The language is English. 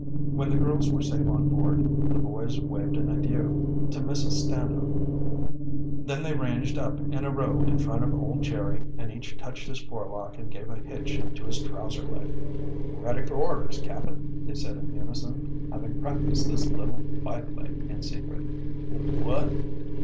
When the girls were safe on board, the boys waved an adieu to Mrs. Stanhope. Then they ranged up in a row in front of old Jerry and each touched his forelock and gave a hitch to his trowser leg. "Ready for orders, cap'n," they said, in unison, having practiced this little by play in secret. "Wh what?"